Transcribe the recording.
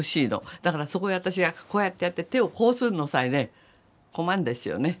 だからそこへ私がこうやってやって手をこうするのさえね困るんですよね。